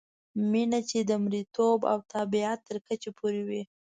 مینه چې د مریتوب او تابعیت تر کچې پورې وي.